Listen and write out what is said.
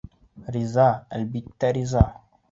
Риза, әлбиттә, риза!